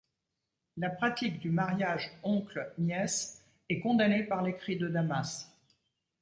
La pratique du mariage oncle-nièce est condamnée par l'écrit de Damas.